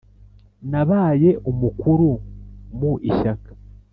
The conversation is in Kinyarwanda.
Nabaye umukuru mu ishyaka